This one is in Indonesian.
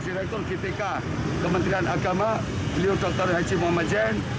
direktur gtk kementerian agama beliau dr haji muhammad jan